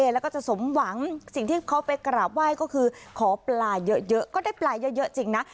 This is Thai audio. แล้วก็จะสมหวังสิ่งที่เขาไปกราบไหว้ก็คือขอปลาเยอะก็ได้ปลาเยอะจริงนะ